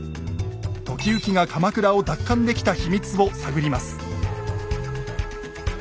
時行が鎌倉を奪還できた秘密を探ります。